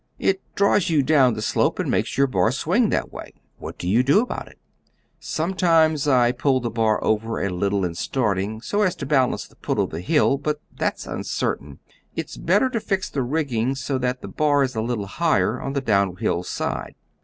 "It draws you down the slope, and makes your bar swing that way." "What do you do about it?" "Sometimes I pull the bar over a little in starting, so as to balance the pull of the hill; but that's uncertain. It's better to fix the rigging so that the bar is a little higher on the downhill side."